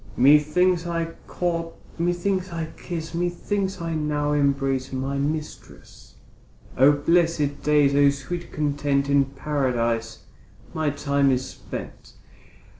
Methinks I court, methinks I kiss, Methinks I now embrace my mistress. O blessed days, O sweet content, In Paradise my time is spent.